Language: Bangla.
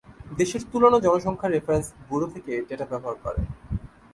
দেশের তুলনা জনসংখ্যা রেফারেন্স ব্যুরো থেকে ডেটা ব্যবহার করে।